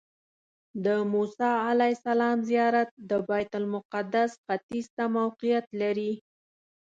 د موسی علیه السلام زیارت د بیت المقدس ختیځ ته موقعیت لري.